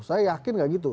saya yakin gak gitu